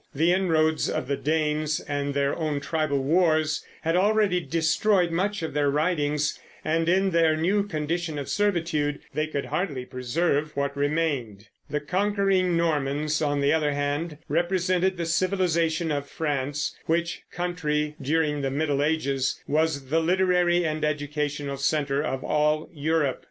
The inroads of the Danes and their own tribal wars had already destroyed much of their writings, and in their new condition of servitude they could hardly preserve what remained. The conquering Normans, on the other hand, represented the civilization of France, which country, during the early Middle Ages, was the literary and educational center of all Europe.